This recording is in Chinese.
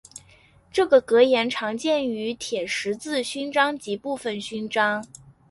这个格言常见于铁十字勋章及部分勋章。